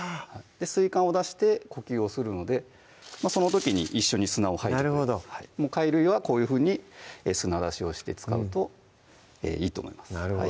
水管を出して呼吸をするのでその時に一緒に砂を吐いてくれるなるほど貝類はこういうふうに砂出しをして使うといいと思います